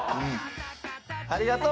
ありがとう。